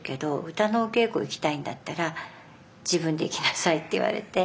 歌のお稽古行きたいんだったら自分で行きなさいって言われて。